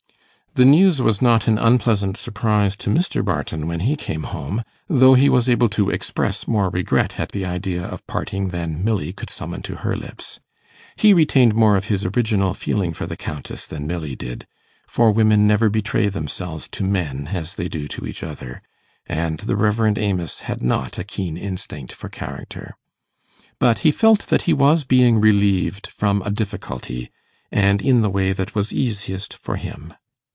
The news was not an unpleasant surprise to Mr. Barton when he came home, though he was able to express more regret at the idea of parting than Milly could summon to her lips. He retained more of his original feeling for the Countess than Milly did, for women never betray themselves to men as they do to each other; and the Rev. Amos had not a keen instinct for character. But he felt that he was being relieved from a difficulty, and in the way that was easiest for him.